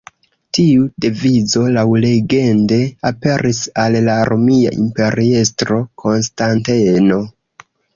Tiu devizo laŭlegende aperis al la romia imperiestro Konstanteno.